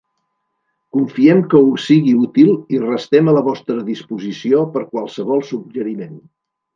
Confiem que us sigui útil i restem a la vostra disposició per qualsevol suggeriment.